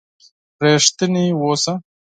رښتيني وسه.